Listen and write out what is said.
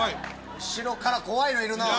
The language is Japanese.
後ろから怖いのいるなぁ。